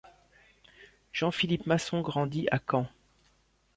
Jean-Philippe Masson grandit à Caen.